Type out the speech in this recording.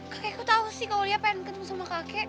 kakek aku tau sih kalau lia pengen ketemu sama kakek